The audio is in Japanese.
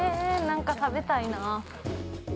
なんか食べたいな。